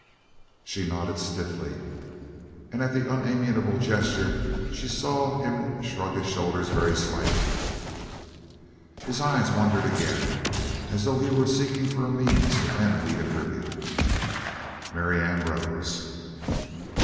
She nodded stiffly, and at the unamiable gesture she saw him shrug his shoulders very slightly, his eyes wandered again as though he were seeking for a means to end the interview. Marianne rose.